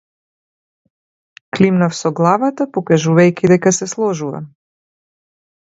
Климнав со главата, покажувајќи дека се сложувам.